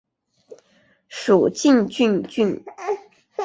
属晋陵郡。